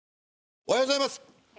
おはようございます。